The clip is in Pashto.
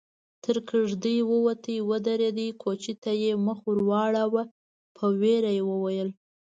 تر کېږدۍ ووت، ودرېد، کوچي ته يې مخ ور واړاوه، په وېره يې وويل: